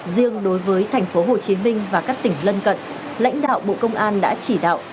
riêng đối với thành phố hồ chí minh và các tỉnh lân cận lãnh đạo bộ công an đã chỉ đạo